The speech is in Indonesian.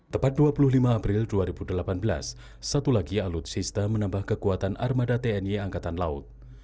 tepat dua puluh lima april dua ribu delapan belas satu lagi alutsista menambah kekuatan armada tni angkatan laut